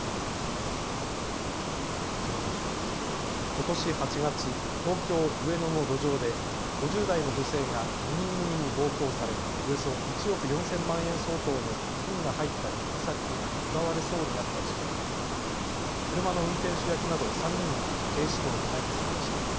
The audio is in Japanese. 次にことし８月、東京上野の路上で５０代の女性が２人組に暴行されおよそ１億４０００万円相当の金が入ったリュックサックが奪われそうになった事件で車の運転手役など３人が警視庁に逮捕されました。